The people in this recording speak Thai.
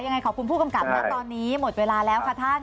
ยังไงขอบคุณผู้กำกับนะตอนนี้หมดเวลาแล้วค่ะท่าน